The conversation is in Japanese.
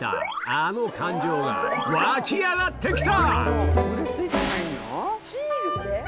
あの感情が湧き上がってきた！